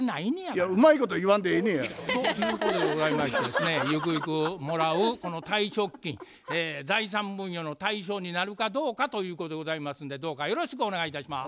いやうまいこと言わんでええねや。ということでございましてですねゆくゆくもらうその退職金財産分与の対象になるかどうかということでございますんでどうかよろしくお願いいたします。